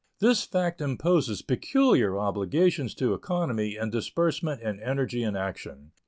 This fact imposes peculiar obligations to economy in disbursement and energy in action.